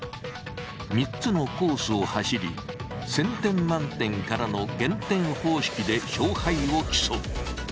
３つのコースを走り１，０００点満点からの減点方式で勝敗を競う。